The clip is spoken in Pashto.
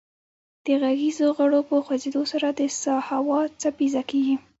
د غږیزو غړو په خوځیدو سره د سا هوا څپیزه کیږي